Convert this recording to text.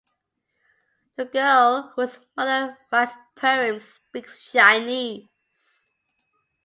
The girl, whose mother writes poems, speaks Chinese.